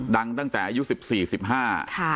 ดังตั้งแต่ยุค๑๔๑๕ค่า